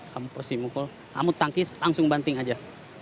kamu tangkis langsung banting aja